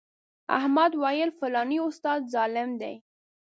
احمد ویل فلانی استاد ظالم دی.